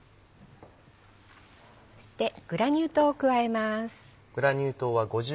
そしてグラニュー糖を加えます。